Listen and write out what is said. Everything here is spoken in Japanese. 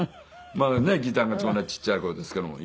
まあね義丹がこんなちっちゃい頃ですけども。